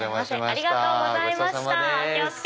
ありがとうございます。